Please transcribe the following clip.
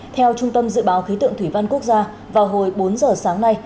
theo trung tâm dự báo khí tượng thủy văn quốc gia vào hồi bốn giờ sáng nay